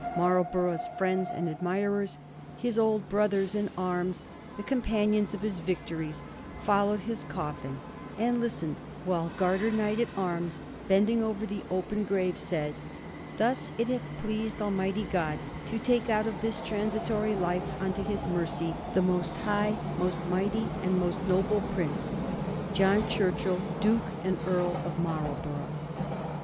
Marl borough's friends and adnurers, his old brothers in arms, the companions of his victories, followed his coffin, and listened while Garter King at Arms, bend mg over the open grave, said :* Thus it hath pleased Almighty God to take out of this transitory life imto His mercy the most high, most mighty, and most noble prince, John Churchill, Duke and Earl of Marlborough.'